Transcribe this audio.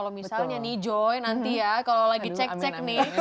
kalau misalnya nih joy nanti ya kalau lagi cek cek nih